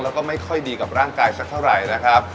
แล้วก็ไม่ค่อยดีกับร่างกายสักเท่าไหร่นะครับ